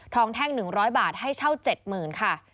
ท้องแท่งหนึ่งร้อยบาทให้เช่าเจ็ดหมื่นค่ะ